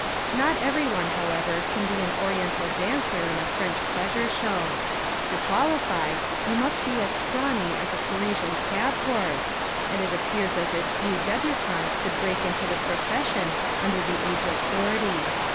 Not everyone, however, can be an Oriental dancer in a French pleasure show. To qualify you must be as scrawny as a Parisian cab horse, and it appears as if few débutantes could break into the profession under the age of forty.